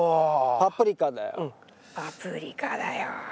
パプリカだよ。